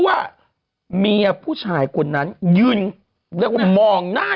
นี่นี่นี่นี่นี่นี่นี่นี่นี่